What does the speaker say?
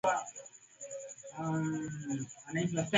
ilikuwa ni milioni tatu tu lakini kwa juhudi zangu leo hii